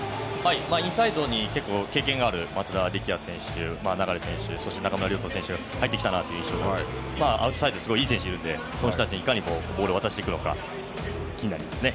インサイドに結構経験がある松田選手流選手、中村亮土選手が入ってきましてアウトサイドにすごいいい選手がいるのでその人たちにどうボールを渡すのか気になりますね。